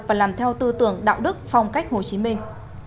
và làm theo tư tưởng đạo đức phong cách hồ chí minh